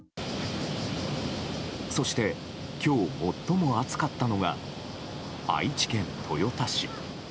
そして今日、最も暑かったのが愛知県豊田市。